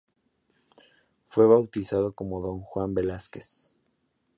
Fue bautizado como don "Juan Velásquez".